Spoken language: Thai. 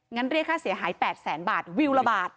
งั้นเรียกค่าเสียหาย๘แสนบาทวิวละบาท